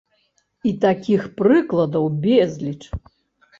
І такіх прыкладаў безліч!